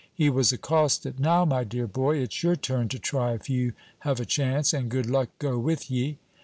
He was accosted: 'Now, my dear boy, it's your turn to try if you have a chance, and good luck go with ye.